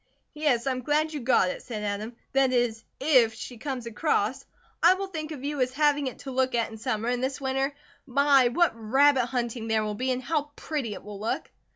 "Yes. I'm glad you got it," said Adam, "that is, if she come across. I will think of you as having it to look at in summer; and this winter my, what rabbit hunting there will be, and how pretty it will look!"